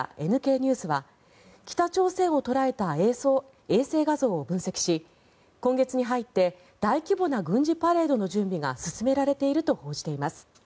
ニュースは北朝鮮を捉えた衛星画像を分析し今月に入って大規模な軍事パレードの準備が進められていると報じています。